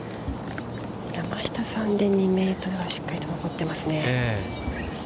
山下さんで２メートルはしっかりと残ってますね。